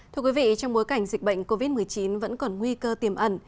thưa quý vị trong bối cảnh dịch bệnh covid một mươi chín vẫn còn nguy cơ tiềm ẩn